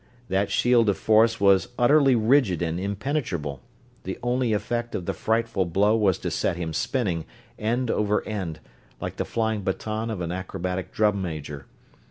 That shield of force was utterly rigid and impenetrable; the only effect of the frightful blow was to set him spinning, end over end, like the flying baton of an acrobatic drum major.